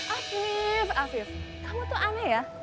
afif afif kamu tuh aneh ya